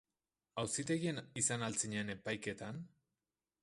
Auzitegian izan al zinen epaiketan?